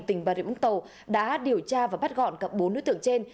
tỉnh bà rịa bắc tàu đã điều tra và bắt gọn các bốn nữ tượng trên